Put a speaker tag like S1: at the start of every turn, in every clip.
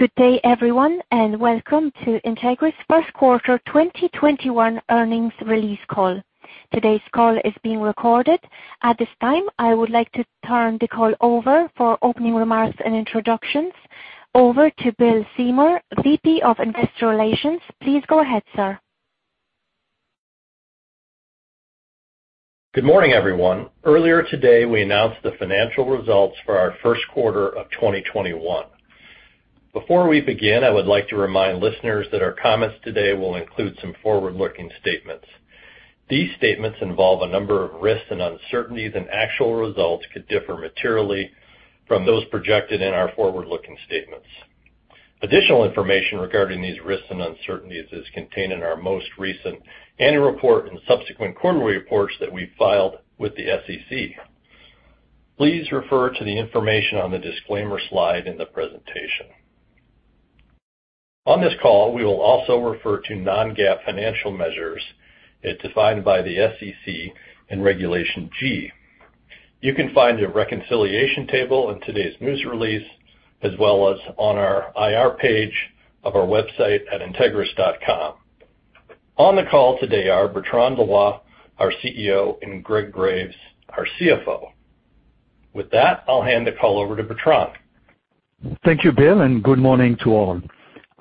S1: Good day, everyone, and welcome to Entegris' Q1 2021 earnings release call. Today's call is being recorded. At this time, I would like to turn the call over for opening remarks and introductions over to Bill Seymour, VP of Investor Relations. Please go ahead, sir.
S2: Good morning, everyone. Earlier today, we announced the financial results for our Q1 of 2021. Before we begin, I would like to remind listeners that our comments today will include some forward-looking statements. These statements involve a number of risks and uncertainties, and actual results could differ materially from those projected in our forward-looking statements. Additional information regarding these risks and uncertainties is contained in our most recent annual report and subsequent quarterly reports that we filed with the SEC. Please refer to the information on the disclaimer slide in the presentation. On this call, we will also refer to non-GAAP financial measures as defined by the SEC and Regulation G. You can find a reconciliation table in today's news release, as well as on our IR page of our website at entegris.com. On the call today are Bertrand Loy, our CEO, and Greg Graves, our CFO. With that, I'll hand the call over to Bertrand.
S3: Thank you, Bill, and good morning to all.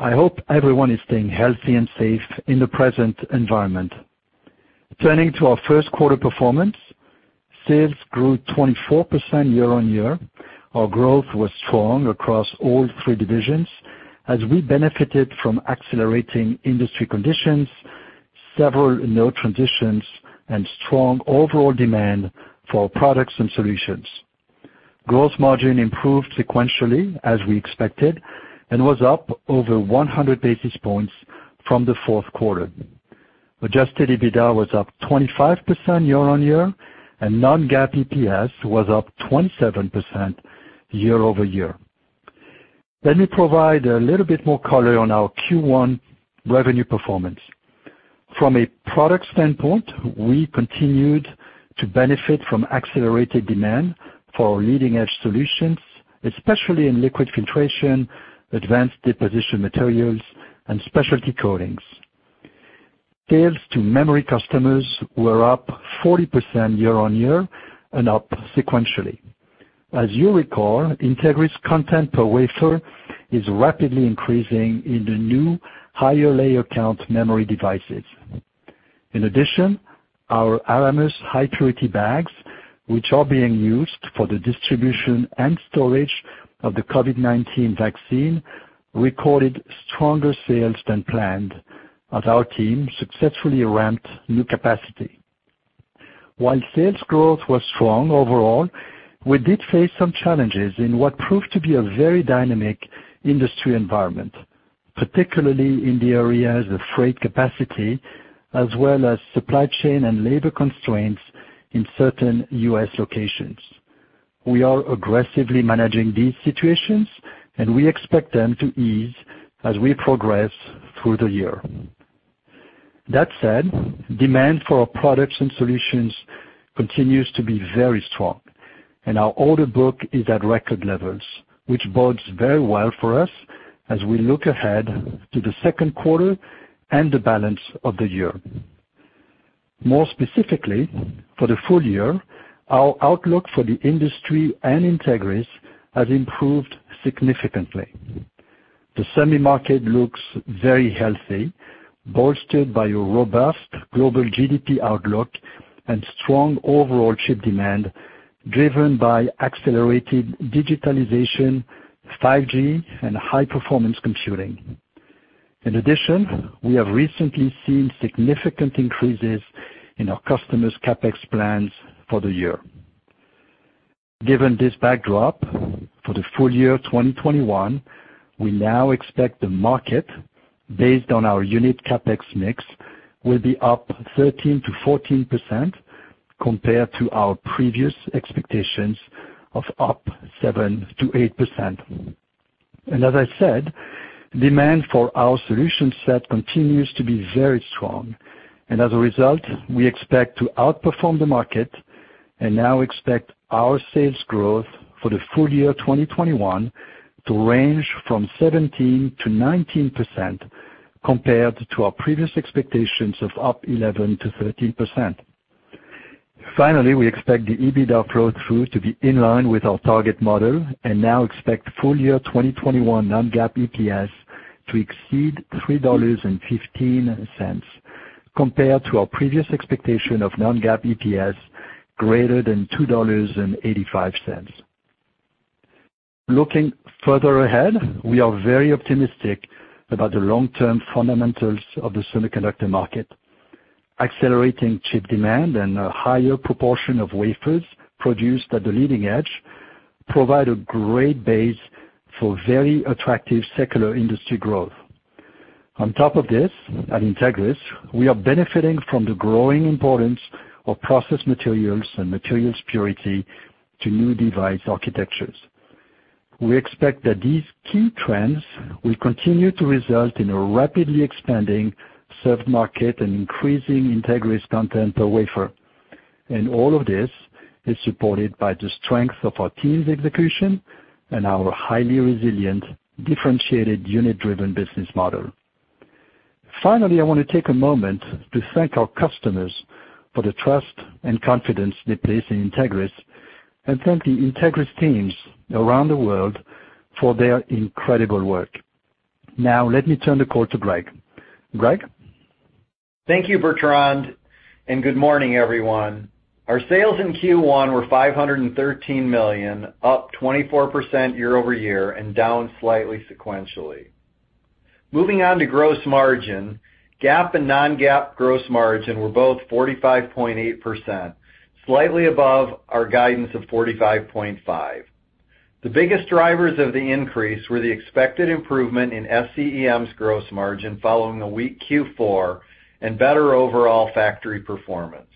S3: I hope everyone is staying healthy and safe in the present environment. Turning to our Q1 performance, sales grew 24% year-over-year. Our growth was strong across all three divisions as we benefited from accelerating industry conditions, several node transitions, and strong overall demand for our products and solutions. Gross margin improved sequentially as we expected and was up over 100 basis points from the Q4. Adjusted EBITDA was up 25% year-over-year, and non-GAAP EPS was up 27% year-over-year. Let me provide a little bit more color on our Q1 revenue performance. From a product standpoint, we continued to benefit from accelerated demand for our leading-edge solutions, especially in liquid filtration, advanced deposition materials, and specialty coatings. Sales to memory customers were up 40% year-over-year and up sequentially. As you recall, Entegris content per wafer is rapidly increasing in the new higher layer count memory devices. In addition, our Aramus high-purity bags, which are being used for the distribution and storage of the COVID-19 vaccine, recorded stronger sales than planned as our team successfully ramped new capacity. While sales growth was strong overall, we did face some challenges in what proved to be a very dynamic industry environment, particularly in the areas of freight capacity, as well as supply chain and labor constraints in certain U.S. locations. We are aggressively managing these situations, and we expect them to ease as we progress through the year. That said, demand for our products and solutions continues to be very strong, and our order book is at record levels, which bodes very well for us as we look ahead to the Q3 and the balance of the year. More specifically, for the full year, our outlook for the industry and Entegris has improved significantly. The semi market looks very healthy, bolstered by a robust global GDP outlook and strong overall chip demand, driven by accelerated digitalization, 5G, and high-performance computing. In addition, we have recently seen significant increases in our customers' CapEx plans for the year. Given this backdrop, for the full year 2021, we now expect the market, based on our unit CapEx mix, will be up 13%-14%, compared to our previous expectations of up 7%-8%. As I said, demand for our solution set continues to be very strong, and as a result, we expect to outperform the market and now expect our sales growth for the full year 2021 to range from 17%-19%, compared to our previous expectations of up 11%-13%. Finally, we expect the EBITDA flow-through to be in line with our target model and now expect full-year 2021 non-GAAP EPS to exceed $3.15, compared to our previous expectation of non-GAAP EPS greater than $2.85. Looking further ahead, we are very optimistic about the long-term fundamentals of the semiconductor market. Accelerating chip demand and a higher proportion of wafers produced at the leading edge provide a great base for very attractive secular industry growth. On top of this, at Entegris, we are benefiting from the growing importance of process materials and materials purity to new device architectures. We expect that these key trends will continue to result in a rapidly expanding served market and increasing Entegris content per wafer. All of this is supported by the strength of our team's execution and our highly resilient, differentiated unit-driven business model. Finally, I want to take a moment to thank our customers for the trust and confidence they place in Entegris and thank the Entegris teams around the world for their incredible work. Now let me turn the call to Greg. Greg?
S4: Thank you, Bertrand, and good morning, everyone. Our sales in Q1 were $513 million, up 24% year-over-year and down slightly sequentially. Moving on to gross margin, GAAP and non-GAAP gross margin were both 45.8%, slightly above our guidance of 45.5%. The biggest drivers of the increase were the expected improvement in SCEM's gross margin following a weak Q4 and better overall factory performance.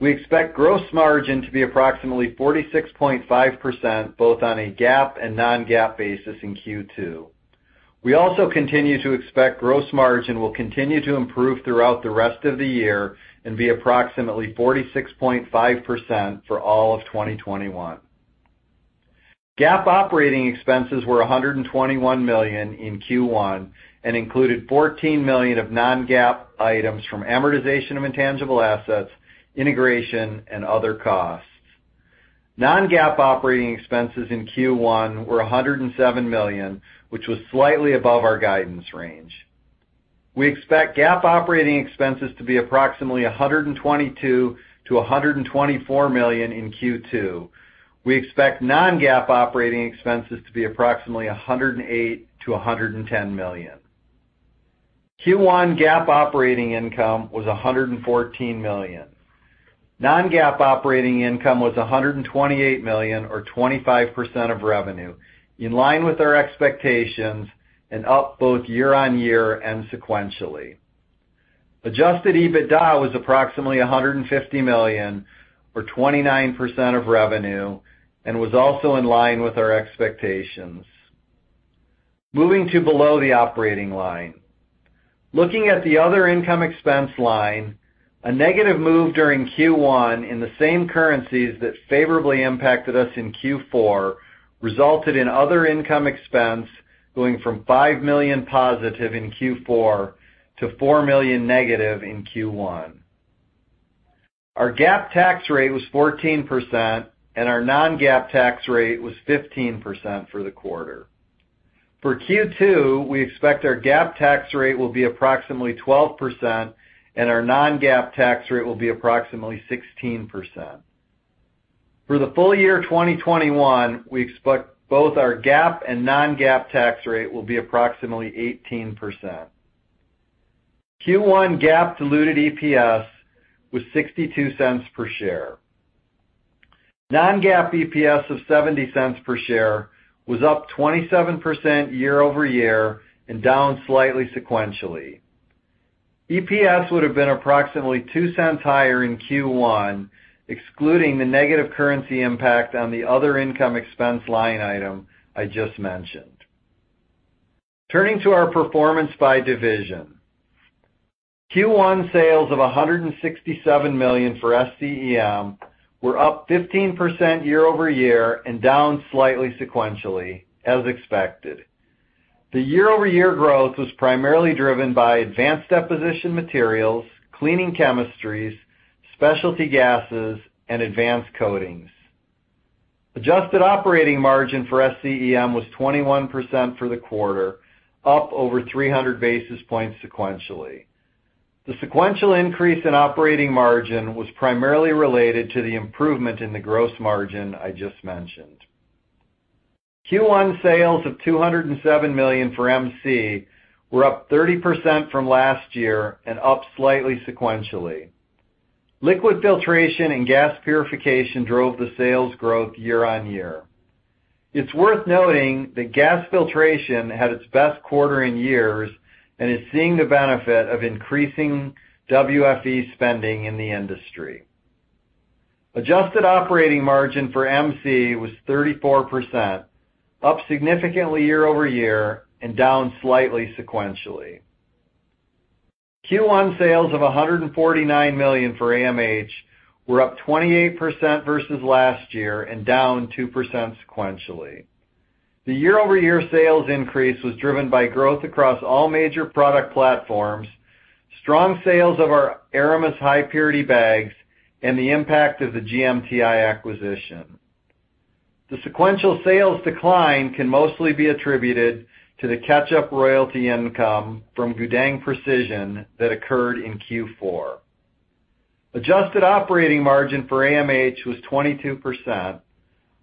S4: We expect gross margin to be approximately 46.5%, both on a GAAP and non-GAAP basis in Q2. We also continue to expect gross margin will continue to improve throughout the rest of the year and be approximately 46.5% for all of 2021. GAAP operating expenses were $121 million in Q1 and included $14 million of non-GAAP items from amortization of intangible assets, integration, and other costs. Non-GAAP operating expenses in Q1 were $107 million, which was slightly above our guidance range. We expect GAAP operating expenses to be approximately $122 million-$124 million in Q2. We expect non-GAAP operating expenses to be approximately $108 million-$110 million. Q1 GAAP operating income was $114 million. Non-GAAP operating income was $128 million or 25% of revenue, in line with our expectations and up both year-over-year and sequentially. Adjusted EBITDA was approximately $150 million or 29% of revenue and was also in line with our expectations. Moving to below the operating line. Looking at the other income expense line, a negative move during Q1 in the same currencies that favorably impacted us in Q4 resulted in other income expense going from $5 million positive in Q4 to $4 million negative in Q1. Our GAAP tax rate was 14%, and our non-GAAP tax rate was 15% for the quarter. For Q2, we expect our GAAP tax rate will be approximately 12%, and our non-GAAP tax rate will be approximately 16%. For the full year 2021, we expect both our GAAP and non-GAAP tax rate will be approximately 18%. Q1 GAAP diluted EPS was $0.62 per share. Non-GAAP EPS of $0.70 per share was up 27% year-over-year and down slightly sequentially. EPS would have been approximately $0.02 higher in Q1, excluding the negative currency impact on the other income expense line item I just mentioned. Turning to our performance by division. Q1 sales of $167 million for SCEM were up 15% year-over-year and down slightly sequentially as expected. The year-over-year growth was primarily driven by advanced deposition materials, cleaning chemistries, specialty gases, and advanced coatings. Adjusted operating margin for SCEM was 21% for the quarter, up over 300 basis points sequentially. The sequential increase in operating margin was primarily related to the improvement in the gross margin I just mentioned. Q1 sales of $207 million for MC were up 30% from last year and up slightly sequentially. Liquid filtration and gas purification drove the sales growth year-over-year. It's worth noting that gas filtration had its best quarter in years and is seeing the benefit of increasing WFE spending in the industry. Adjusted operating margin for MC was 34%, up significantly year-over-year and down slightly sequentially. Q1 sales of $149 million for AMH were up 28% versus last year and down 2% sequentially. The year-over-year sales increase was driven by growth across all major product platforms, strong sales of our Aramus high purity bags, and the impact of the GMTI acquisition. The sequential sales decline can mostly be attributed to the catch-up royalty income from Gudeng Precision that occurred in Q4. Adjusted operating margin for AMH was 22%,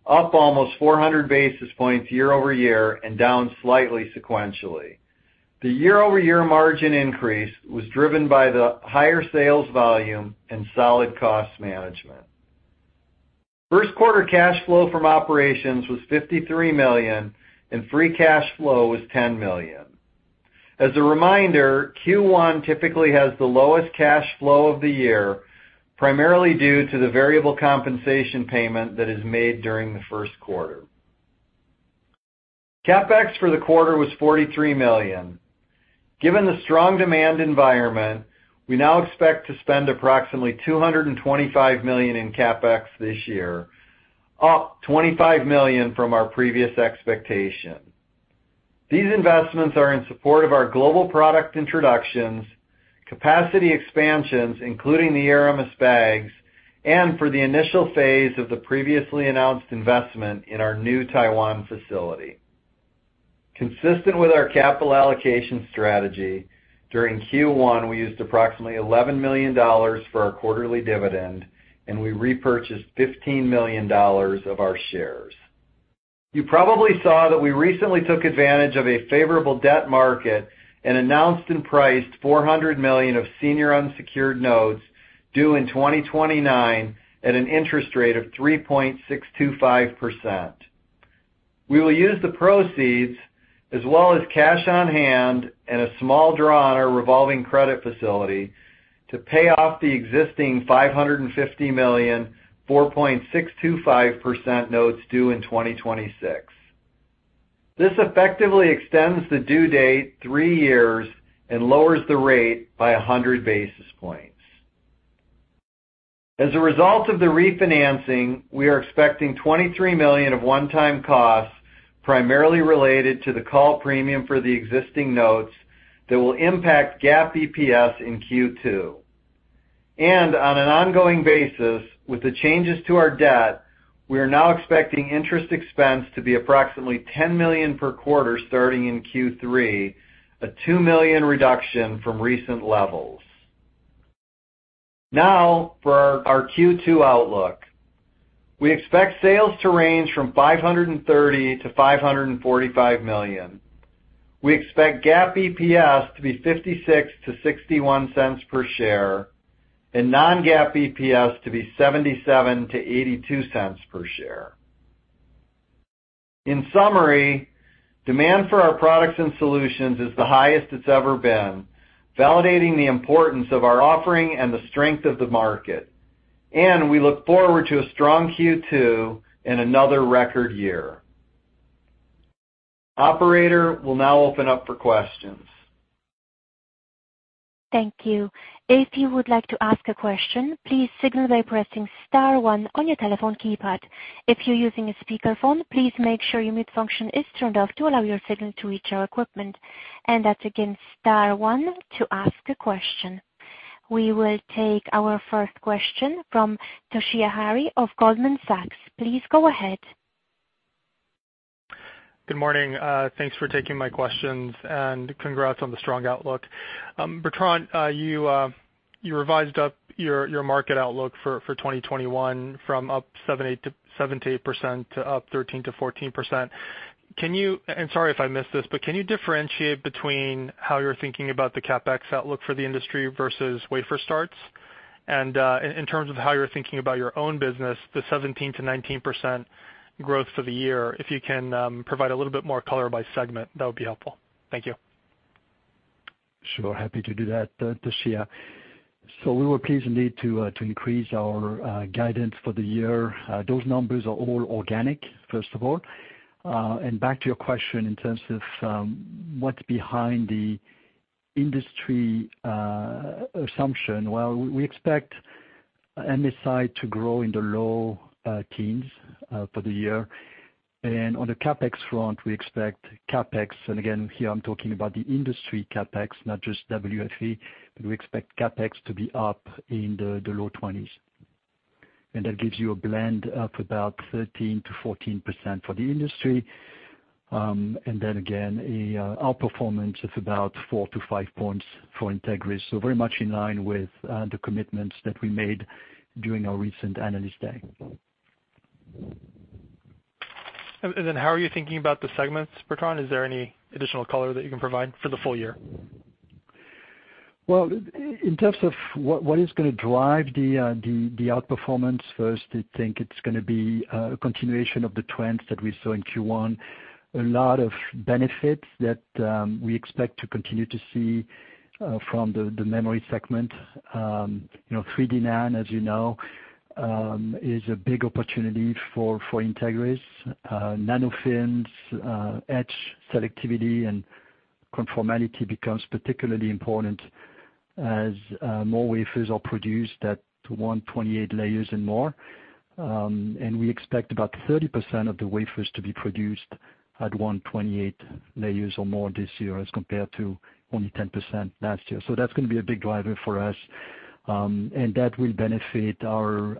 S4: up almost 400 basis points year-over-year and down slightly sequentially. The year-over-year margin increase was driven by the higher sales volume and solid cost management. Q1 cash flow from operations was $53 million, and free cash flow was $10 million. As a reminder, Q1 typically has the lowest cash flow of the year, primarily due to the variable compensation payment that is made during the Q1. capex for the quarter was $43 million. Given the strong demand environment, we now expect to spend approximately $225 million in CapEx this year, up $25 million from our previous expectation. These investments are in support of our global product introductions, capacity expansions, including the Aramus bags, and for the initial phase of the previously announced investment in our new Taiwan facility. Consistent with our capital allocation strategy, during Q1, we used approximately $11 million for our quarterly dividend, and we repurchased $15 million of our shares. You probably saw that we recently took advantage of a favorable debt market and announced and priced $400 million of senior unsecured notes due in 2029 at an interest rate of 3.625%. We will use the proceeds as well as cash on hand and a small draw on our revolving credit facility to pay off the existing $550 million, 4.625% notes due in 2026. This effectively extends the due date three years and lowers the rate by 100 basis points. As a result of the refinancing, we are expecting $23 million of one-time costs, primarily related to the call premium for the existing notes that will impact GAAP EPS in Q2. On an ongoing basis, with the changes to our debt, we are now expecting interest expense to be approximately $10 million per quarter starting in Q3, a $2 million reduction from recent levels. Now for our Q2 outlook. We expect sales to range from $530 million-$545 million. We expect GAAP EPS to be $0.56-$0.61 per share and non-GAAP EPS to be $0.77-$0.82 per share. In summary, demand for our products and solutions is the highest it's ever been, validating the importance of our offering and the strength of the market. We look forward to a strong Q2 and another record year. Operator, we'll now open up for questions.
S1: Thank you. If you would like to ask a question, please signal by pressing star one on your telephone keypad. If you're using a speakerphone, please make sure your mute function is turned off to allow your signal to reach our equipment. That's again, star one to ask a question. We will take our first question from Toshiya Hari of Goldman Sachs. Please go ahead.
S5: Good morning. Thanks for taking my questions, and congrats on the strong outlook. Bertrand, you revised up your market outlook for 2021 from up 7%-8% to up 13%-14%. Sorry if I missed this, but can you differentiate between how you're thinking about the CapEx outlook for the industry versus wafer starts? In terms of how you're thinking about your own business, the 17%-19% growth for the year, if you can provide a little bit more color by segment, that would be helpful. Thank you.
S3: Sure. Happy to do that, Toshiya. We were pleased indeed to increase our guidance for the year. Those numbers are all organic, first of all. Back to your question in terms of what's behind the industry assumption. We expect MSI to grow in the low teens for the year. On the CapEx front, we expect CapEx, and again, here I'm talking about the industry CapEx, not just WFE, but we expect CapEx to be up in the low 20s. That gives you a blend of about 13%-14% for the industry. Then again, our performance is about four to five points for Entegris. Very much in line with the commitments that we made during our recent Analyst Day.
S5: Then how are you thinking about the segments, Bertrand? Is there any additional color that you can provide for the full year?
S3: In terms of what is going to drive the outperformance, first, I think it's going to be a continuation of the trends that we saw in Q1. A lot of benefits that we expect to continue to see from the memory segment. 3D NAND, as you know, is a big opportunity for Entegris. Nanofins, etch selectivity, and conformality becomes particularly important as more wafers are produced at 128 layers and more. We expect about 30% of the wafers to be produced at 128 layers or more this year as compared to only 10% last year. That's going to be a big driver for us, and that will benefit our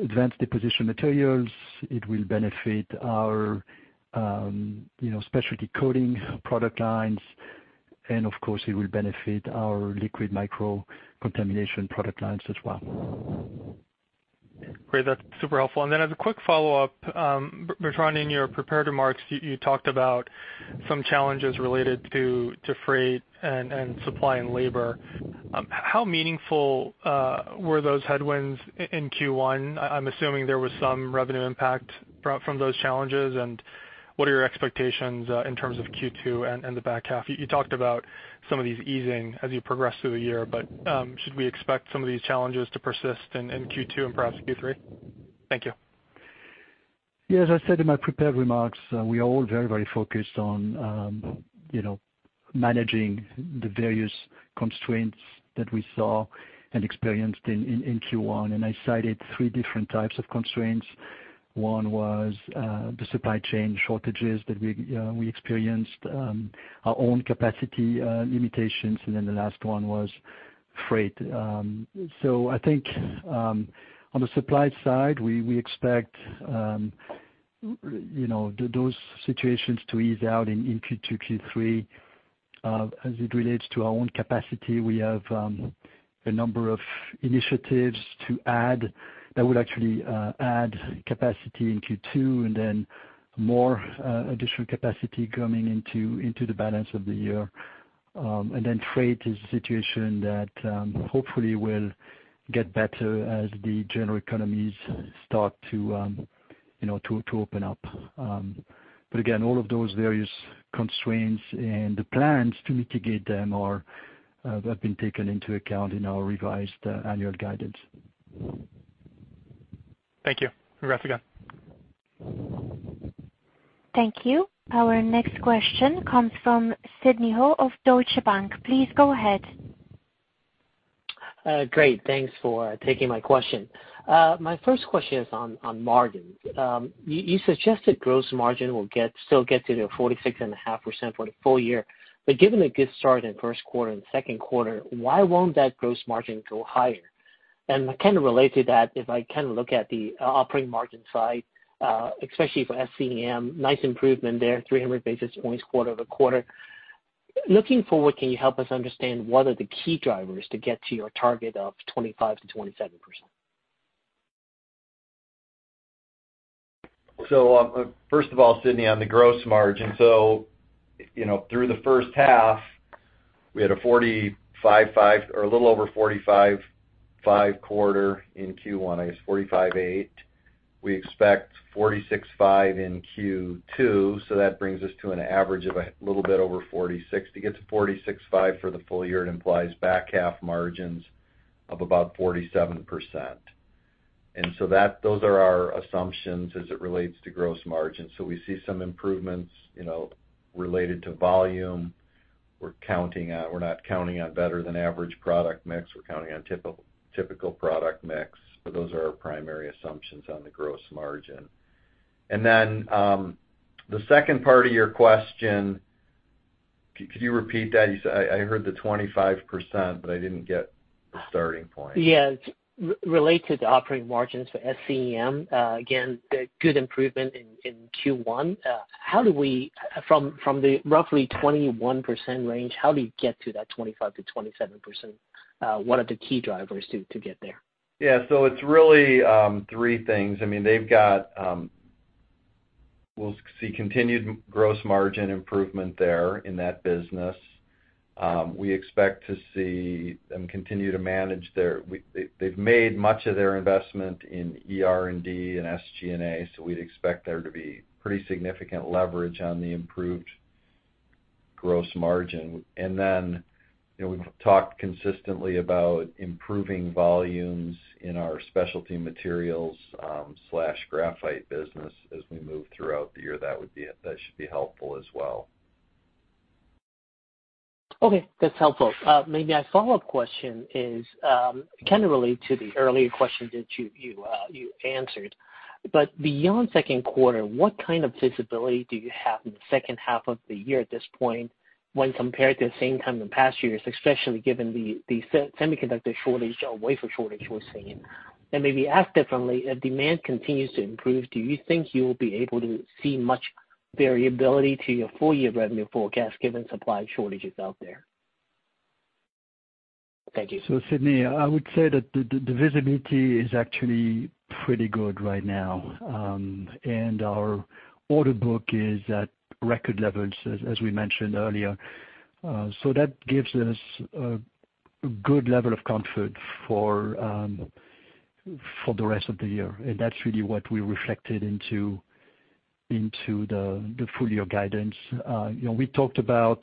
S3: advanced deposition materials. It will benefit our specialty coating product lines, and of course, it will benefit our liquid micro contamination product lines as well.
S5: Great. That's super helpful. Then as a quick follow-up, Bertrand, in your prepared remarks, you talked about some challenges related to freight and supply and labor. How meaningful were those headwinds in Q1? I'm assuming there was some revenue impact from those challenges, and what are your expectations in terms of Q2 and the back half? You talked about some of these easing as you progress through the year, but should we expect some of these challenges to persist in Q2 and perhaps Q3? Thank you.
S3: Yes, as I said in my prepared remarks, we are all very focused on managing the various constraints that we saw and experienced in Q1. I cited three different types of constraints. One was the supply chain shortages that we experienced, our own capacity limitations, and then the last one was freight. I think on the supply side, we expect those situations to ease out in Q2, Q3. As it relates to our own capacity, we have a number of initiatives to add that will actually add capacity in Q2, and then more additional capacity coming into the balance of the year. Freight is a situation that hopefully will get better as the general economies start to open up. Again, all of those various constraints and the plans to mitigate them have been taken into account in our revised annual guidance.
S5: Thank you. We're good.
S1: Thank you. Our next question comes from Sidney Ho of Deutsche Bank. Please go ahead.
S6: Great. Thanks for taking my question. My first question is on margins. You suggested gross margin will still get to the 46.5% for the full year. Given a good start in Q1 and Q2, why won't that gross margin go higher? Related to that, if I look at the operating margin side, especially for SCEM, nice improvement there, 300 basis points quarter-over-quarter. Looking forward, can you help us understand what are the key drivers to get to your target of 25%-27%?
S4: First of all, Sidney, on the gross margin. Through the H1, we had a little over 45.5% in Q1, I guess 45.8%. We expect 46.5% in Q2, that brings us to an average of a little bit over 46%. To get to 46.5% for the full year, it implies back half margins of about 47%. Those are our assumptions as it relates to gross margin. We see some improvements related to volume. We're not counting on better than average product mix. We're counting on typical product mix. Those are our primary assumptions on the gross margin. The second part of your question, could you repeat that? I heard the 25%, I didn't get the starting point.
S6: Yeah. Related to the operating margins for SCEM, again, good improvement in Q1. From the roughly 21% range, how do you get to that 25%-27%? What are the key drivers to get there?
S4: Yeah. It's really three things. We'll see continued gross margin improvement there in that business. We expect to see them continue to manage. They've made much of their investment in R&D and SG&A, so we'd expect there to be pretty significant leverage on the improved gross margin. We've talked consistently about improving volumes in our specialty materials/graphite business as we move throughout the year. That should be helpful as well.
S6: Okay. That's helpful. Maybe my follow-up question is kind of related to the earlier question that you answered. Beyond Q3, what kind of visibility do you have in the H2 of the year at this point when compared to the same time in past years, especially given the semiconductor shortage or wafer shortage we're seeing? Maybe asked differently, if demand continues to improve, do you think you'll be able to see much variability to your full year revenue forecast given supply shortages out there? Thank you.
S3: Sidney, I would say that the visibility is actually pretty good right now. Our order book is at record levels as we mentioned earlier. That gives us a good level of comfort for the rest of the year. That's really what we reflected into the full year guidance. We talked about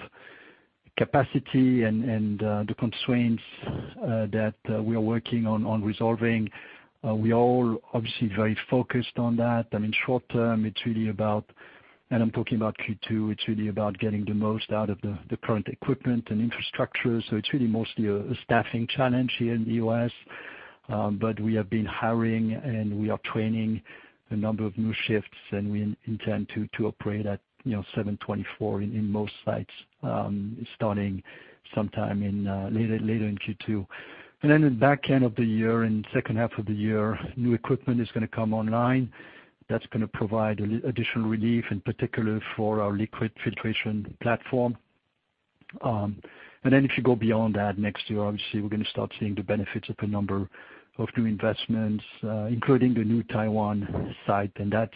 S3: capacity and the constraints that we are working on resolving. We're all obviously very focused on that. Short term, it's really about, I'm talking about Q2, it's really about getting the most out of the current equipment and infrastructure. It's really mostly a staffing challenge here in the U.S. We have been hiring and we are training a number of new shifts, and we intend to operate at 7/24 in most sites, starting sometime later in Q2. In the back end of the year, in the H2 of the year, new equipment is going to come online. That's going to provide additional relief, in particular for our liquid filtration platform. If you go beyond that next year, obviously, we're going to start seeing the benefits of a number of new investments, including the new Taiwan site. That's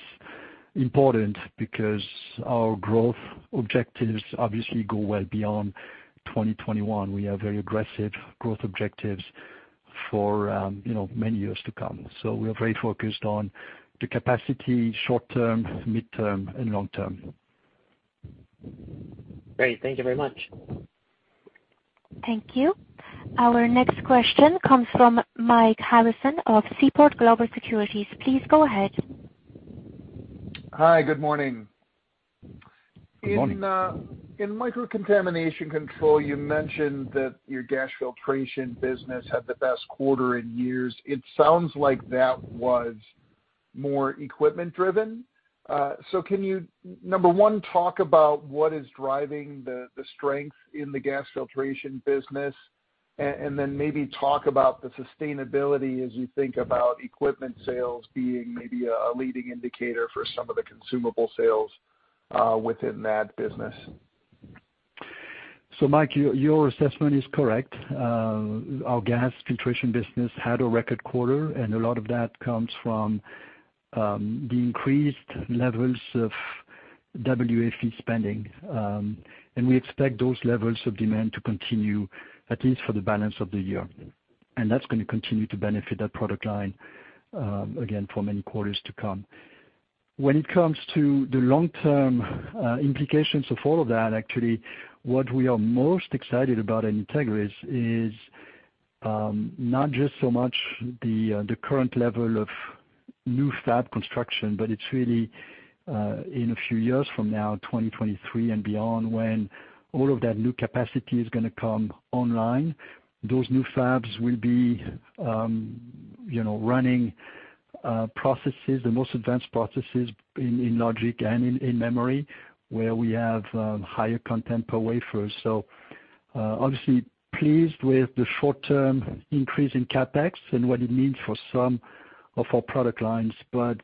S3: important because our growth objectives obviously go well beyond 2021. We have very aggressive growth objectives for many years to come. We are very focused on the capacity short term, midterm, and long term.
S6: Great. Thank you very much.
S1: Thank you. Our next question comes from Mike Harrison of Seaport Global Securities. Please go ahead.
S7: Hi, good morning.
S3: Good morning.
S7: In micro contamination control, you mentioned that your gas filtration business had the best quarter in years. It sounds like that was more equipment driven. Can you, number one, talk about what is driving the strength in the gas filtration business, and then maybe talk about the sustainability as you think about equipment sales being maybe a leading indicator for some of the consumable sales, within that business.
S3: Mike, your assessment is correct. Our gas filtration business had a record quarter, and a lot of that comes from the increased levels of WFE spending. We expect those levels of demand to continue, at least for the balance of the year. That's going to continue to benefit that product line, again, for many quarters to come. When it comes to the long-term implications of all of that, actually, what we are most excited about at Entegris is, not just so much the current level of new fab construction, but it's really, in a few years from now, 2023 and beyond, when all of that new capacity is going to come online. Those new fabs will be running the most advanced processes in logic and in memory, where we have higher content per wafer. Obviously pleased with the short-term increase in CapEx and what it means for some of our product lines, but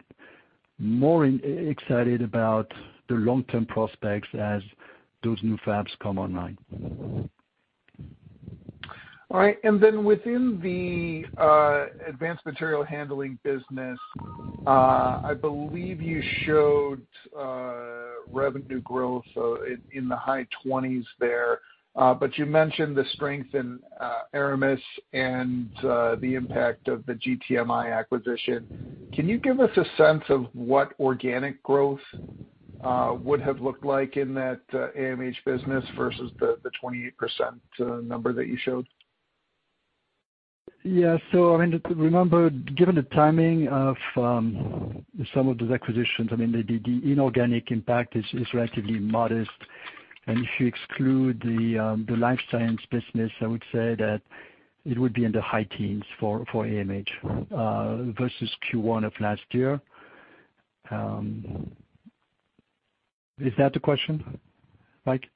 S3: more excited about the long-term prospects as those new fabs come online.
S7: All right. Within the advanced material handling business, I believe you showed revenue growth in the high 20s there. You mentioned the strength in Aramus and the impact of the GTMI acquisition. Can you give us a sense of what organic growth would have looked like in that AMH business versus the 28% number that you showed?
S3: Yeah. I mean, remember, given the timing of some of those acquisitions, the inorganic impact is relatively modest. If you exclude the life science business, I would say that it would be in the high teens for AMH versus Q1 of last year. Is that the question, Mike?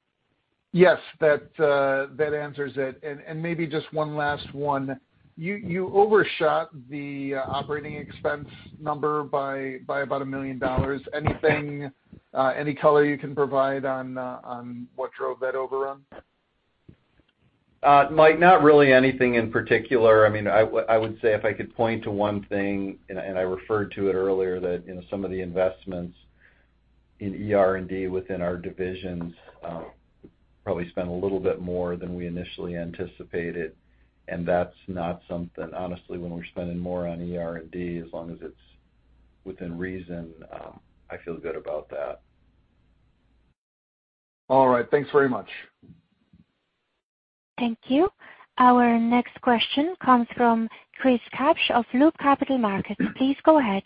S7: Yes, that answers it. Maybe just one last one. You overshot the operating expense number by about $1 million. Any color you can provide on what drove that overrun?
S4: Mike, not really anything in particular. I would say if I could point to one thing, and I referred to it earlier, that some of the investments in R&D within our divisions, probably spent a little bit more than we initially anticipated, and that's not something. Honestly, when we're spending more on R&D, as long as it's within reason, I feel good about that.
S7: All right. Thanks very much.
S1: Thank you. Our next question comes from Chris Kapsch of Loop Capital Markets. Please go ahead.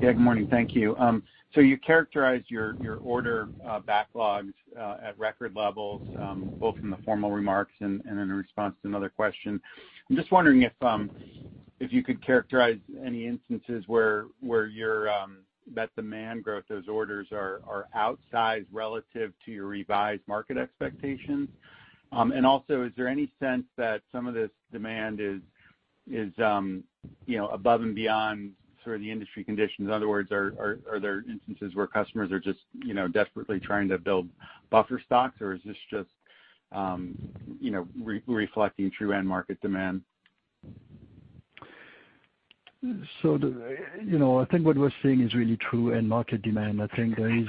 S8: Yeah, good morning. Thank you. You characterized your order backlogs at record levels, both in the formal remarks and in a response to another question. I am just wondering if you could characterize any instances where that demand growth, those orders are outsized relative to your revised market expectations. Also, is there any sense that some of this demand is above and beyond sort of the industry conditions? In other words, are there instances where customers are just desperately trying to build buffer stocks, or is this just reflecting true end market demand?
S3: I think what we're seeing is really true end market demand. I think there is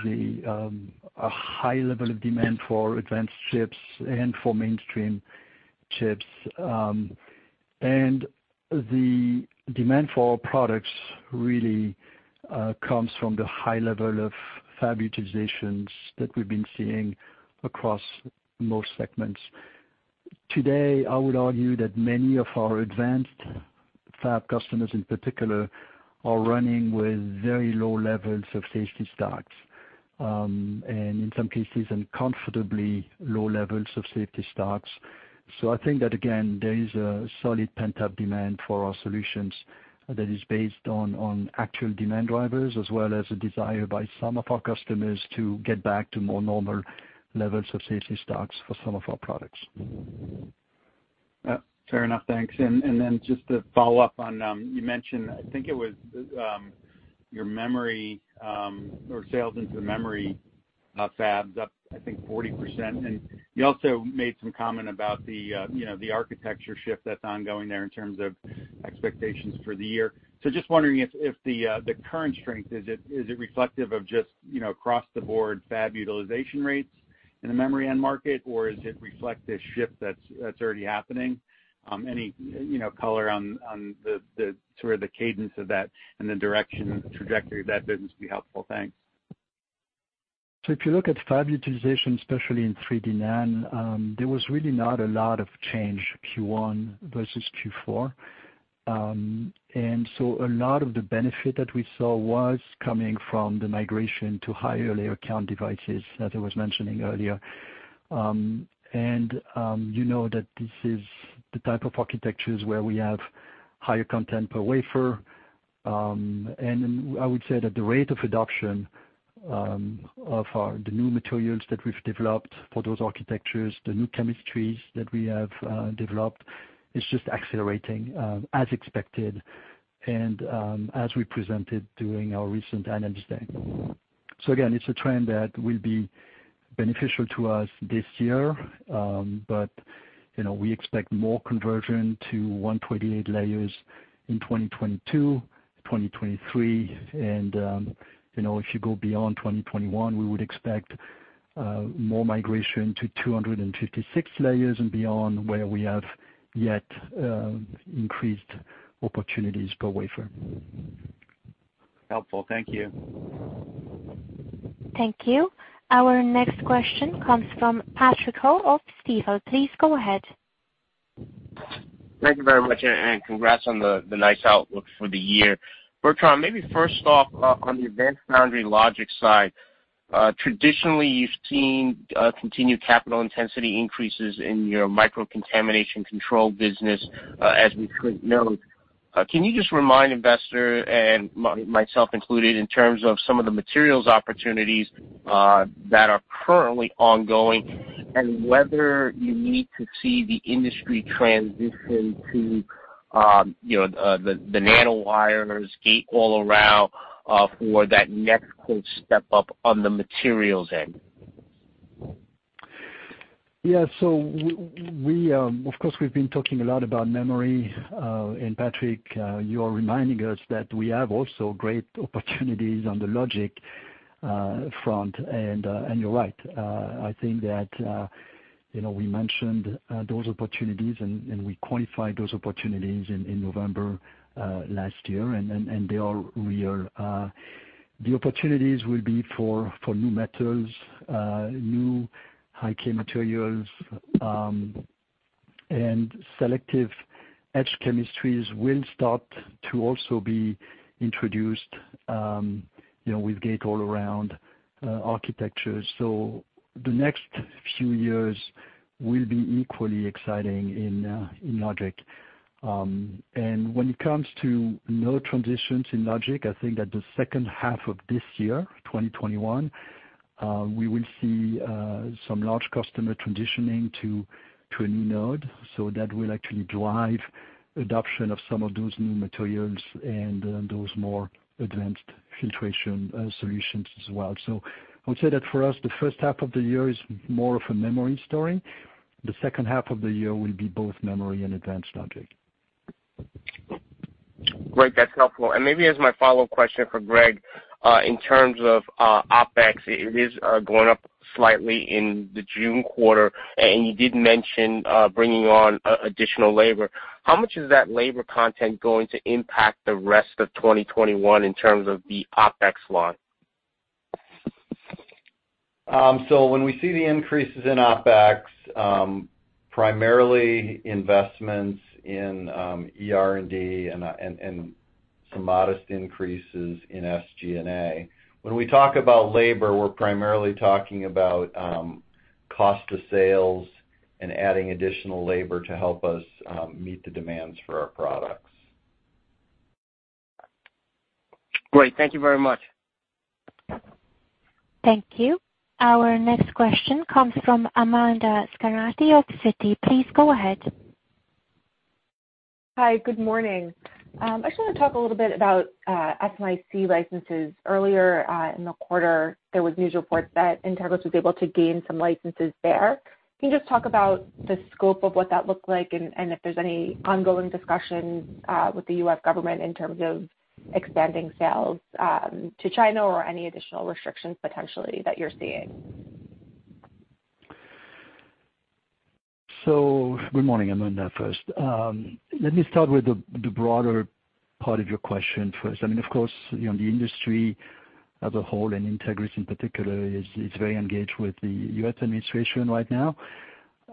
S3: a high level of demand for advanced chips and for mainstream chips. The demand for our products really comes from the high level of fab utilizations that we've been seeing across most segments. Today, I would argue that many of our advanced fab customers in particular, are running with very low levels of safety stocks. In some cases, uncomfortably low levels of safety stocks. I think that, again, there is a solid pent-up demand for our solutions that is based on actual demand drivers, as well as a desire by some of our customers to get back to more normal levels of safety stocks for some of our products.
S8: Fair enough. Thanks. Just to follow up on, you mentioned, I think it was your memory, or sales into the memory fabs up, I think 40%. You also made some comment about the architecture shift that's ongoing there in terms of expectations for the year. Just wondering if the current strength, is it reflective of just across the board fab utilization rates in the memory end market, or is it reflective of this shift that's already happening? Any color on the sort of the cadence of that and the direction, trajectory of that business would be helpful. Thanks.
S3: If you look at fab utilization, especially in 3D NAND, there was really not a lot of change Q1 versus Q4. A lot of the benefit that we saw was coming from the migration to higher layer count devices, as I was mentioning earlier. You know that this is the type of architectures where we have higher content per wafer. I would say that the rate of adoption of the new materials that we've developed for those architectures, the new chemistries that we have developed, is just accelerating, as expected, and as we presented during our recent Analyst Day. Again, it's a trend that will be beneficial to us this year. We expect more conversion to 128 layers in 2022, 2023. If you go beyond 2021, we would expect more migration to 256 layers and beyond, where we have yet increased opportunities per wafer.
S8: Helpful. Thank you.
S1: Thank you. Our next question comes from Patrick Ho of Stifel. Please go ahead.
S9: Thank you very much, and congrats on the nice outlook for the year. Bertrand, maybe first off, on the advanced foundry logic side, traditionally you've seen continued capital intensity increases in your microcontamination control business, as we could note. Can you just remind investors, and myself included, in terms of some of the materials opportunities that are currently ongoing, and whether you need to see the industry transition to the nanowires gate-all-around for that next step up on the materials end?
S3: Of course, we've been talking a lot about memory, and Patrick, you are reminding us that we have also great opportunities on the logic front. You're right. I think that we mentioned those opportunities, and we quantified those opportunities in November last year, and they are real. The opportunities will be for new metals, new high-k materials, and selective etch chemistries will start to also be introduced with gate-all-around architectures. The next few years will be equally exciting in logic. When it comes to node transitions in logic, I think that the H2 of this year, 2021, we will see some large customer transitioning to a new node. That will actually drive adoption of some of those new materials and those more advanced filtration solutions as well. I would say that for us, the H1 of the year is more of a memory story. The H2 of the year will be both memory and advanced logic.
S9: Great. That's helpful. Maybe as my follow-up question for Greg, in terms of OpEx, it is going up slightly in the June quarter, and you did mention bringing on additional labor. How much is that labor content going to impact the rest of 2021 in terms of the OpEx line?
S4: When we see the increases in OpEx, primarily investments in R&D and some modest increases in SG&A. When we talk about labor, we're primarily talking about cost of sales and adding additional labor to help us meet the demands for our products.
S9: Great. Thank you very much.
S1: Thank you. Our next question comes from Amanda Scarnati of Citi. Please go ahead.
S10: Hi. Good morning. I just want to talk a little bit about SMIC licenses. Earlier in the quarter, there was news reports that Entegris was able to gain some licenses there. Can you just talk about the scope of what that looked like and if there's any ongoing discussions with the U.S. government in terms of expanding sales to China or any additional restrictions potentially that you're seeing?
S3: Good morning, Amanda, first. Let me start with the broader part of your question first. Of course, the industry as a whole, and Entegris in particular, is very engaged with the U.S. administration right now.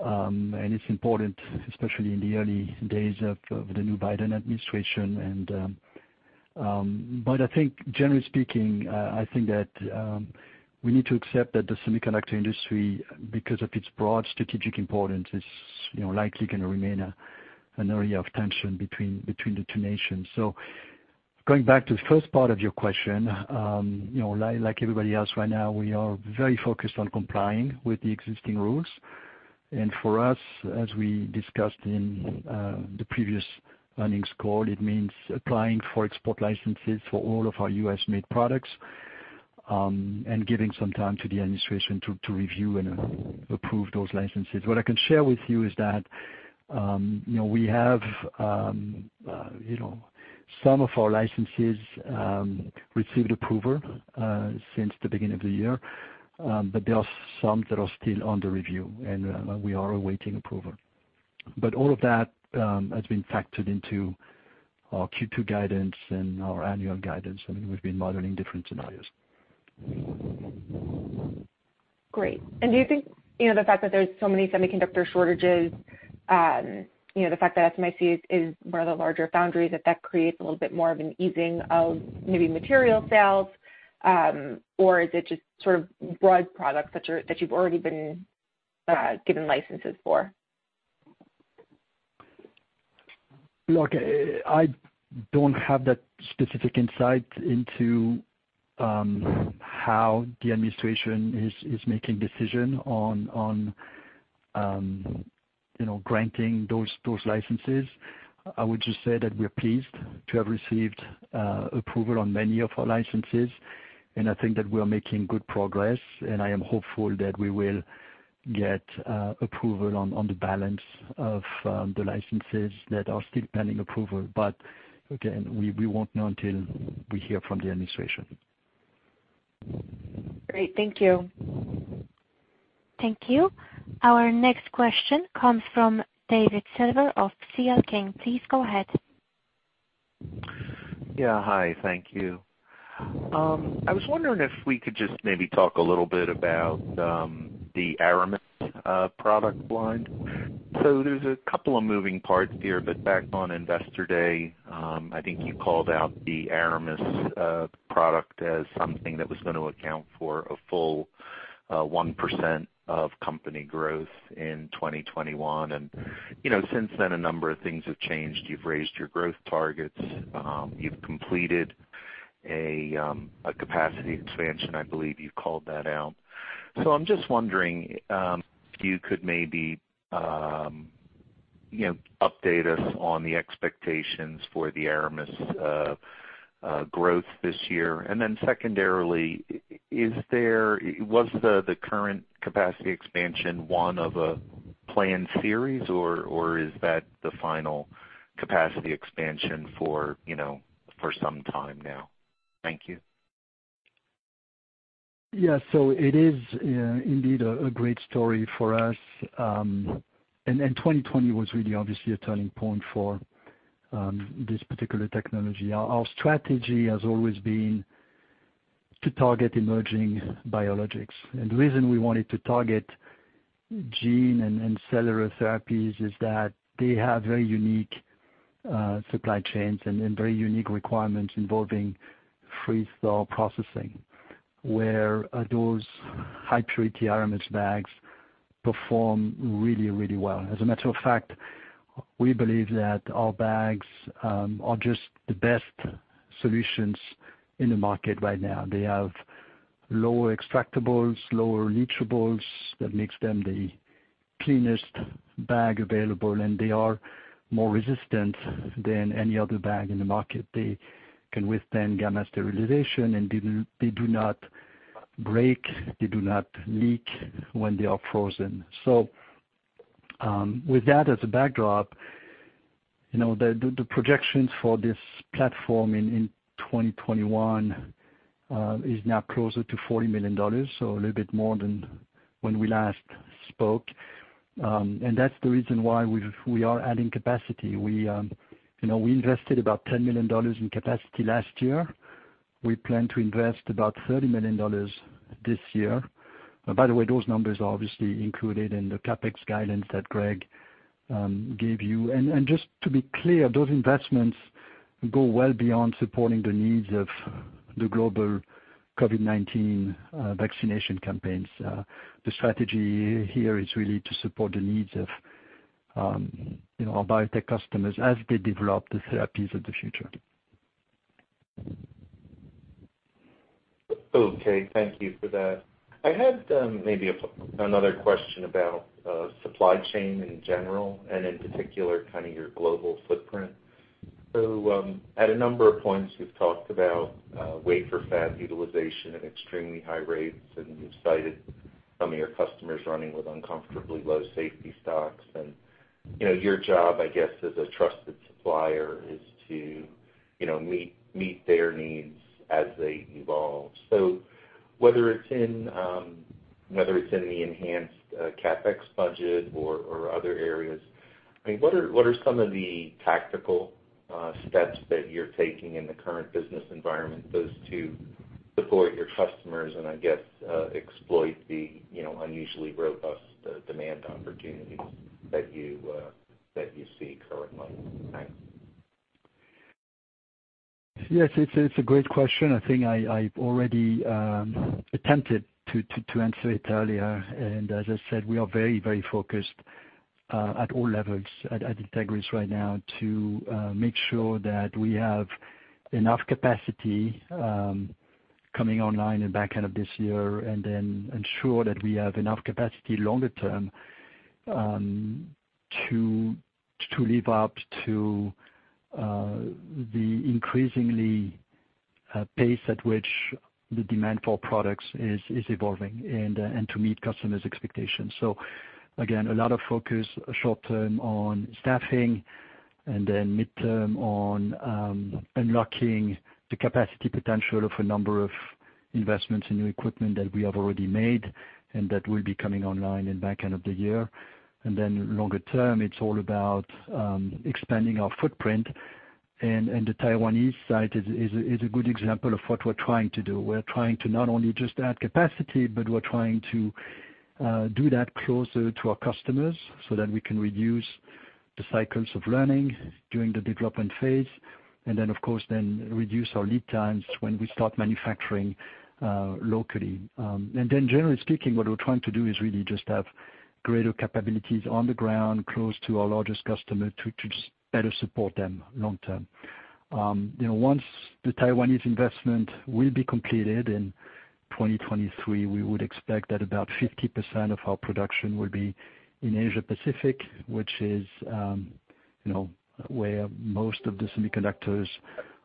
S3: It's important, especially in the early days of the new Biden administration. I think generally speaking, I think that we need to accept that the semiconductor industry, because of its broad strategic importance, is likely going to remain an area of tension between the two nations. Going back to the first part of your question, like everybody else right now, we are very focused on complying with the existing rules. For us, as we discussed in the previous earnings call, it means applying for export licenses for all of our U.S.-made products, and giving some time to the administration to review and approve those licenses. What I can share with you is that we have some of our licenses received approval since the beginning of the year, but there are some that are still under review, and we are awaiting approval. All of that has been factored into our Q2 guidance and our annual guidance. I mean, we've been modeling different scenarios.
S10: Great. Do you think, the fact that there's so many semiconductor shortages, the fact that SMIC is one of the larger foundries, that that creates a little bit more of an easing of maybe material sales? Or is it just broad products that you've already been given licenses for?
S3: I don't have that specific insight into how the administration is making decision on granting those licenses. I would just say that we're pleased to have received approval on many of our licenses, and I think that we are making good progress, and I am hopeful that we will get approval on the balance of the licenses that are still pending approval. Again, we won't know until we hear from the administration.
S10: Great. Thank you.
S1: Thank you. Our next question comes from David Silver of C.L. King. Please go ahead.
S11: Hi, thank you. I was wondering if we could just maybe talk a little bit about the Aramus product line. There's a couple of moving parts here, but back on Analyst Day, I think you called out the Aramus product as something that was going to account for a full 1% of company growth in 2021. Since then, a number of things have changed. You've raised your growth targets. You've completed a capacity expansion. I believe you called that out. I'm just wondering if you could maybe update us on the expectations for the Aramus growth this year. Secondarily, was the current capacity expansion one of a planned series, or is that the final capacity expansion for some time now? Thank you.
S3: Yeah. It is indeed a great story for us. 2020 was really obviously a turning point for this particular technology. Our strategy has always been to target emerging biologics, and the reason we wanted to target gene and cellular therapies is that they have very unique supply chains and very unique requirements involving freeze-thaw processing, where those high-purity Aramus bags perform really, really well. As a matter of fact, we believe that our bags are just the best solutions in the market right now. They have lower extractables, lower leachables. That makes them the cleanest bag available, and they are more resistant than any other bag in the market. They can withstand gamma sterilization, and they do not break, they do not leak when they are frozen. With that as a backdrop, the projections for this platform in 2021 is now closer to $40 million. A little bit more than when we last spoke. That's the reason why we are adding capacity. We invested about $10 million in capacity last year. We plan to invest about $30 million this year. By the way, those numbers are obviously included in the CapEx guidance that Greg gave you. Just to be clear, those investments go well beyond supporting the needs of the global COVID-19 vaccination campaigns. The strategy here is really to support the needs of our biotech customers as they develop the therapies of the future.
S11: Thank you for that. I had maybe another question about supply chain in general, and in particular, kind of your global footprint. At a number of points, you've talked about wafer fab utilization at extremely high rates, and you've cited some of your customers running with uncomfortably low safety stocks. Your job, I guess, as a trusted supplier is to meet their needs as they evolve. Whether it's in the enhanced CapEx budget or other areas, I mean, what are some of the tactical steps that you're taking in the current business environment, both to support your customers and I guess exploit the unusually robust demand opportunities that you see currently? Thanks.
S3: Yes, it's a great question. I think I've already attempted to answer it earlier, as I said, we are very focused at all levels at Entegris right now to make sure that we have enough capacity coming online in back end of this year and then ensure that we have enough capacity longer term to live up to the increasingly pace at which the demand for products is evolving and to meet customers' expectations. Again, a lot of focus short term on staffing and then mid-term on unlocking the capacity potential of a number of investments in new equipment that we have already made, and that will be coming online in back end of the year. Then longer term, it's all about expanding our footprint, and the Taiwanese site is a good example of what we're trying to do. We're trying to not only just add capacity, but we're trying to do that closer to our customers so that we can reduce the cycles of learning during the development phase. Of course, then reduce our lead times when we start manufacturing locally. Generally speaking, what we're trying to do is really just have greater capabilities on the ground, close to our largest customer to just better support them long term. Once the Taiwanese investment will be completed in 2023, we would expect that about 50% of our production will be in Asia-Pacific, which is where most of the semiconductors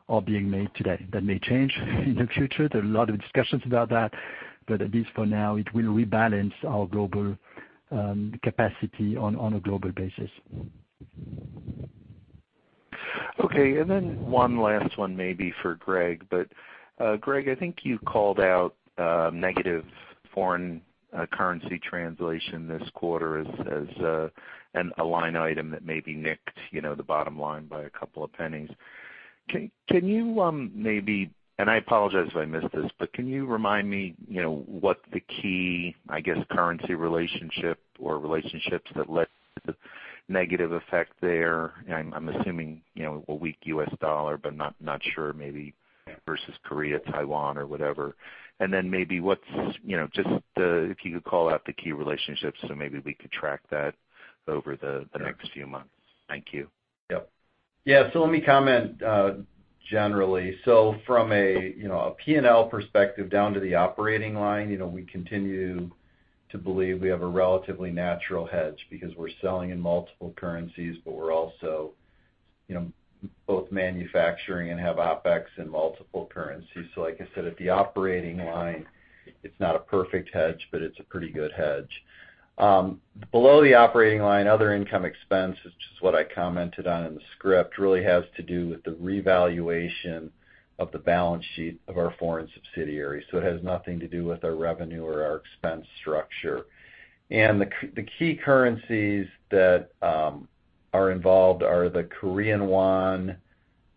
S3: are being made today. That may change in the future. There are a lot of discussions about that, but at least for now, it will rebalance our global capacity on a global basis.
S11: One last one maybe for Greg, I think you called out negative foreign currency translation this quarter as a line item that maybe nicked the bottom line by a couple of $0.02. Can you maybe, I apologize if I missed this, can you remind me what the key, I guess, currency relationship or relationships that led to the negative effect there? I'm assuming a weak U.S. dollar, not sure, maybe versus Korea, Taiwan, or whatever. Maybe if you could call out the key relationships, maybe we could track that over the next few months. Thank you.
S4: Yep. Yeah, let me comment generally. From a P&L perspective down to the operating line, we continue to believe we have a relatively natural hedge because we're selling in multiple currencies, but we're also both manufacturing and have OPEX in multiple currencies. Like I said, at the operating line, it's not a perfect hedge, but it's a pretty good hedge. Below the operating line, other income expense is just what I commented on in the script, really has to do with the revaluation of the balance sheet of our foreign subsidiaries. It has nothing to do with our revenue or our expense structure. The key currencies that are involved are the Korean won,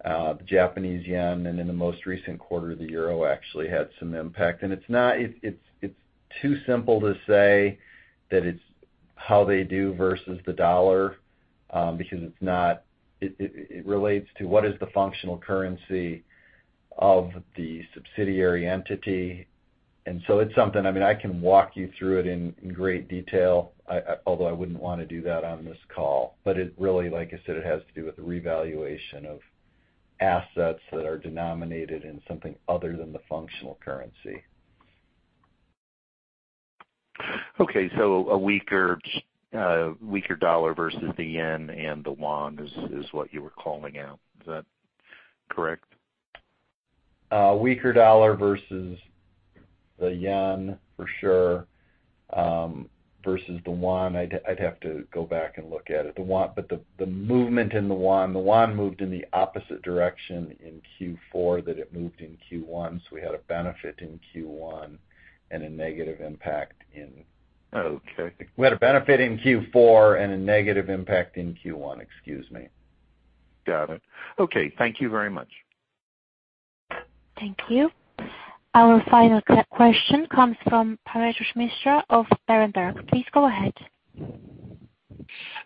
S4: the Japanese yen, and in the most recent quarter, the euro actually had some impact. It's too simple to say that it's how they do versus the U.S. dollar, because it relates to what is the functional currency of the subsidiary entity. It's something, I can walk you through it in great detail, although I wouldn't want to do that on this call. It really, like I said, it has to do with the revaluation of assets that are denominated in something other than the functional currency.
S11: Okay, a weaker U.S. dollar versus the Japanese yen and the Korean won is what you were calling out. Is that correct?
S4: A weaker dollar versus the yen, for sure. Versus the won, I'd have to go back and look at it. The movement in the won, the won moved in the opposite direction in Q4 that it moved in Q1, so we had a benefit in Q1 and a negative impact.
S11: Okay.
S4: We had a benefit in Q4 and a negative impact in Q1, excuse me.
S11: Got it. Okay. Thank you very much.
S1: Thank you. Our final question comes from Paretosh Misra of Berenberg. Please go ahead.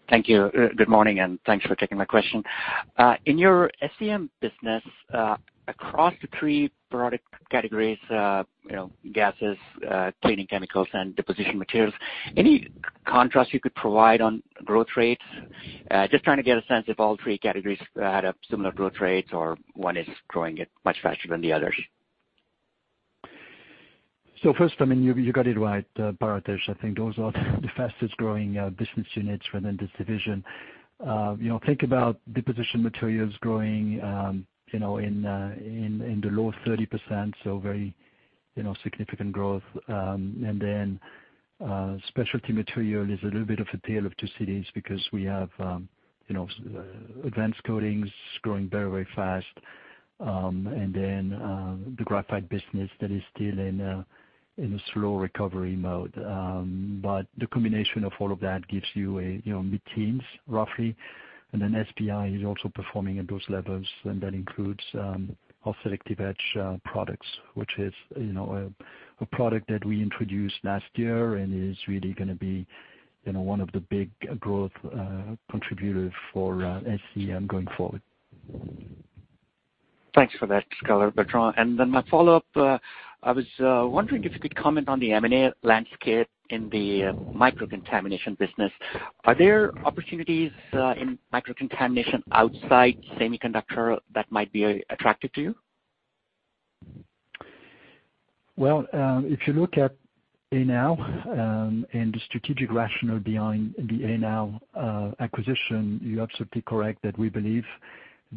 S12: Thank you. Good morning, and thanks for taking my question. In your SCEM business, across the three product categories, gases, cleaning chemicals, and deposition materials, any contrast you could provide on growth rates? Just trying to get a sense if all three categories had a similar growth rate or one is growing at much faster than the others.
S3: First, you got it right, Paretosh. I think those are the fastest-growing business units within this division. Think about deposition materials growing in the low 30%, very significant growth. Specialty material is a little bit of a tale of two cities because we have advanced coatings growing very fast. The graphite business that is still in a slow recovery mode. The combination of all of that gives you mid-teens, roughly. SPI is also performing at those levels, and that includes our selective etch products, which is a product that we introduced last year and is really going to be one of the big growth contributors for SCEM going forward.
S12: Thanks for that color, Bertrand. My follow-up, I was wondering if you could comment on the M&A landscape in the microcontamination business. Are there opportunities in microcontamination outside semiconductor that might be attractive to you?
S3: If you look at Anow, and the strategic rationale behind the Anow acquisition, you're absolutely correct that we believe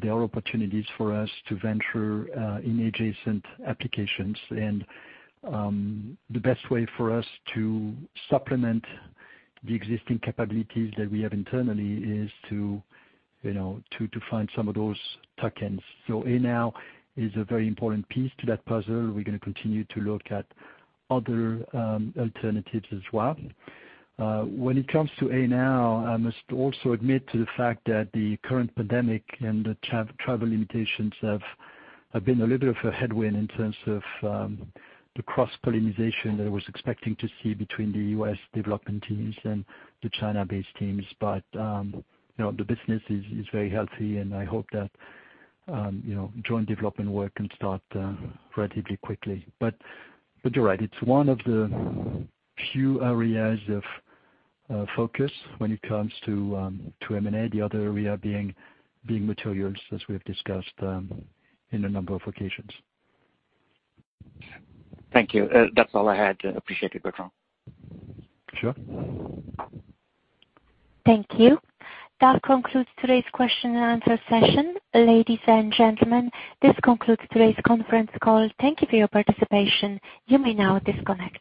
S3: there are opportunities for us to venture in adjacent applications. The best way for us to supplement the existing capabilities that we have internally is to find some of those tuck-ins. Anow is a very important piece to that puzzle. We're going to continue to look at other alternatives as well. When it comes to Anow, I must also admit to the fact that the current pandemic and the travel limitations have been a little bit of a headwind in terms of the cross-pollinization that I was expecting to see between the U.S. development teams and the China-based teams. The business is very healthy, and I hope that joint development work can start relatively quickly. You're right. It's one of the few areas of focus when it comes to M&A, the other area being materials, as we have discussed in a number of occasions.
S12: Thank you. That's all I had. Appreciate it, Bertrand.
S3: Sure.
S1: Thank you. That concludes today's question and answer session. Ladies and gentlemen, this concludes today's conference call. Thank you for your participation. You may now disconnect.